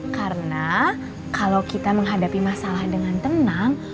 karena kalau kita menghadapi masalah dengan tenang